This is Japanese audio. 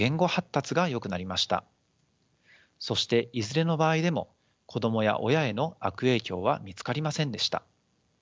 そしていずれの場合でも子どもや親への悪影響は見つかりませんでした。